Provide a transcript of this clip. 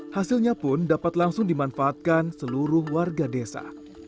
hasilnya pun dapat langsung dimanfaatkan seluruh warga desa